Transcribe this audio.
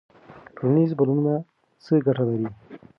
ټولنیز بدلونونه څه ګټه لري؟